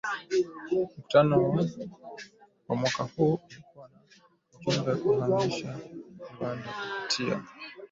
Mkutano wa mwaka huu ulikuwa na ujumbe kuhamasisha viwanda kupitia